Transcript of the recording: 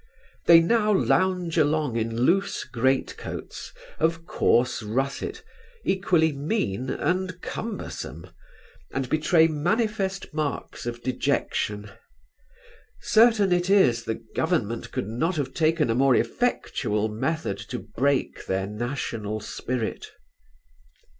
They now lounge along in loose great coats, of coarse russet, equally mean and cumbersome, and betray manifest marks of dejection Certain it is, the government could not have taken a more effectual method to break their national spirit.